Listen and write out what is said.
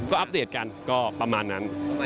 ก็อัปเดตกันก็ประมาณนั้น